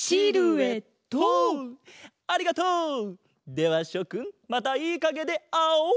ではしょくんまたいいかげであおう！